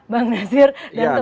bang nasir dan teman teman